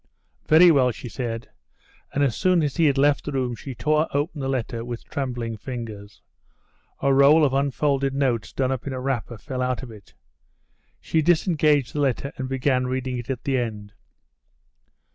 "Very well," she said, and as soon as he had left the room she tore open the letter with trembling fingers. A roll of unfolded notes done up in a wrapper fell out of it. She disengaged the letter and began reading it at the end.